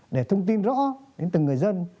để thông tin rõ đến từng người dân